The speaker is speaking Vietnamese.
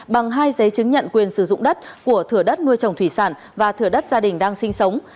bằng hai giấy chứng nhận quyền sử dụng đất của thửa đất nuôi trồng thủy sản và thửa đất gia đình đang sinh sống